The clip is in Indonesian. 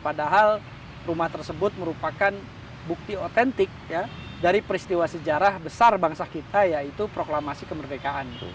padahal rumah tersebut merupakan bukti otentik dari peristiwa sejarah besar bangsa kita yaitu proklamasi kemerdekaan